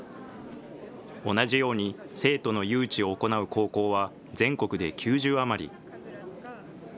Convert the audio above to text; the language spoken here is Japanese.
同じように生徒の誘致を行う高校は、全国で９０余り。